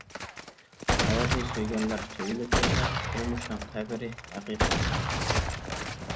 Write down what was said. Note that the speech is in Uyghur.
ھاياتنى سۆيگەنلەر سۆيۈلۈپ ياشار، تۇرمۇشنىڭ تەبىرى ھەقىقەت دېمەك.